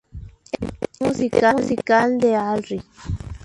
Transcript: El video musical de ""Alright!